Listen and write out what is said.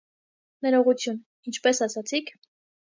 - Ներողություն, ինչպե՞ս ասացիք: